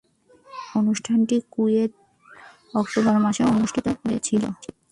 অনুষ্ঠানটি কুয়েটে অক্টোবর মাসে অনুষ্ঠিত হয়েছিলো।